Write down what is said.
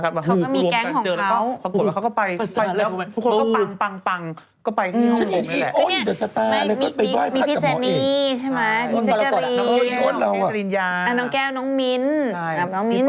ครับพี่เขาพาไว้เจ้าอะไรแบบนี้เนาะ